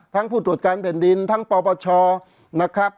ผู้ตรวจการแผ่นดินทั้งปปชนะครับ